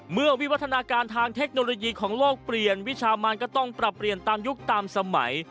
วิวัฒนาการทางเทคโนโลยีของโลกเปลี่ยนวิชามันก็ต้องปรับเปลี่ยนตามยุคตามสมัย